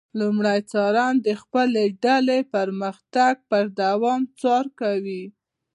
لمری څارن د خپلې ډلې پرمختګ پر دوام څار کوي.